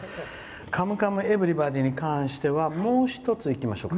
「カムカムエヴリバディ」に関してはもう１ついきましょうか。